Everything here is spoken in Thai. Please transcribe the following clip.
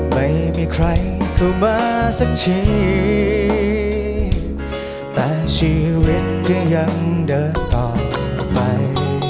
ไม่มีใครเข้ามาสักทีแต่ชีวิตก็ยังเดินต่อไป